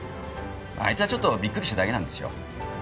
あいつはちょっとびっくりしただけなんですよ。